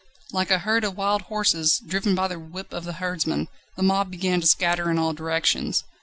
Like a herd of wild horses, driven by the whip of the herdsmen, the mob began to scatter in all directions.